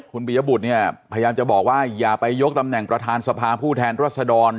คุณปียบุตรเนี่ยพยายามจะบอกว่าอย่าไปยกตำแหน่งประธานสภาผู้แทนรัศดร